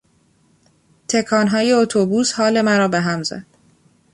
تکانهای اتوبوس حال مرا به هم زد.